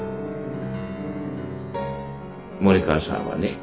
「森川さんはね